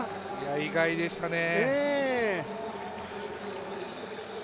意外でしたね。